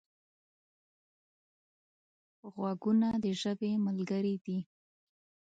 غوږونه د ژبې ملګري دي